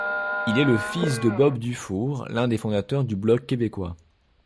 Il est le fils de Bob Dufour, l'un des fondateurs du Bloc québécois.